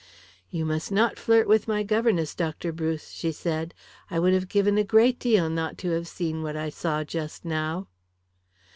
"You must not flirt with my governess, Dr. Bruce," she said. "I would have given a great deal not to have seen what I saw just now."